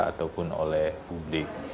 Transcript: ataupun oleh publik